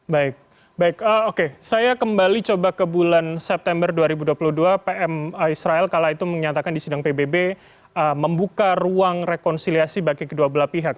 baik baik oke saya kembali coba ke bulan september dua ribu dua puluh dua pm israel kala itu menyatakan di sidang pbb membuka ruang rekonsiliasi bagi kedua belah pihak